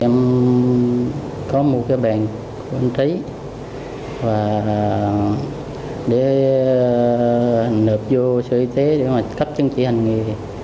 em có một cái bàn của anh trí và để nộp vô sở y tế để mà cấp chứng chỉ hành nghề